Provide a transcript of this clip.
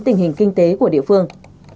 tình hình kinh tế của địa phương